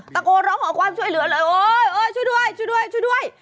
ตะโกร้องหอความช่วยเหลือโอ๊ยช่วยด้วย